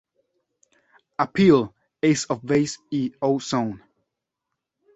Appeal, Ace of Base y O-Zone.